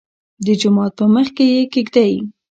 دجومات په مخکې يې کېږدۍ.